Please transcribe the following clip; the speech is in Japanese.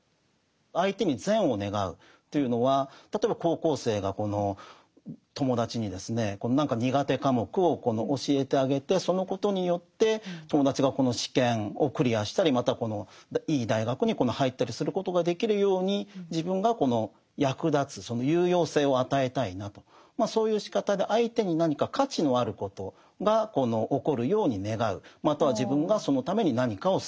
相手に善を願うというのは例えば高校生がこの友達にですね何か苦手科目を教えてあげてそのことによって友達がこの試験をクリアしたりまたいい大学に入ったりすることができるように自分がこの役立つ有用性を与えたいなとそういうしかたでまたは自分がそのために何かをすると。